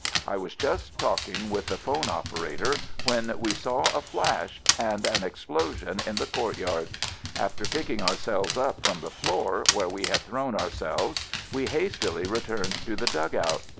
I was just talking with the phone operator when we saw a flash — and an explosion in the courtyard ! After picking ourselves up from the floor where we had thrown ourselves, we hastily re turned to the dugout.